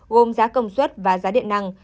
gồm giá công suất và giá điện năng